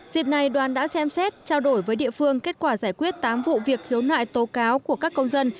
dịp này đoàn đã xem xét trao đổi với địa phương kết quả giải quyết tám vụ việc khiếu nại tố cáo của các công dân